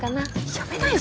やめなよ